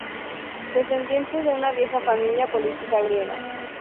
Descendiente de una vieja familia política griega.